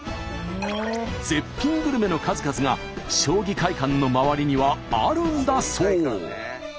絶品グルメの数々が将棋会館の周りにはあるんだそう。